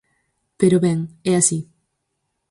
Pero, ben, é así.